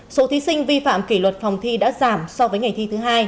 số thí sinh vi phạm kỷ luật phòng thi đã giảm so với ngày thi thứ hai